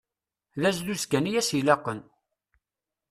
D azduz kan i as-ilaqen.